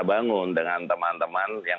bangun dengan teman teman yang